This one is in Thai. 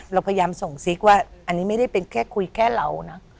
เราพยายามส่งซิกว่าอันนี้ไม่ได้เป็นแค่คุยแค่เรานะ